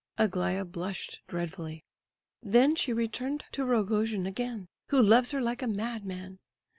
(Aglaya blushed dreadfully.) "Then she returned to Rogojin again, who loves her like a madman.